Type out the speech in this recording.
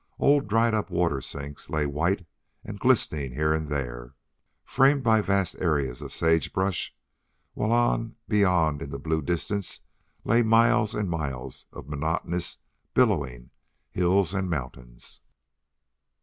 Old, dried up water sinks lay white and glistening here and there, framed by vast areas of sage brush, while on beyond in the blue distance lay miles and miles of monotonous, billowing hills and mountains.